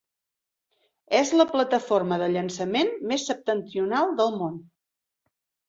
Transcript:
És la plataforma de llançament més septentrional del món.